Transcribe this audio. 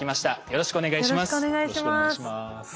よろしくお願いします。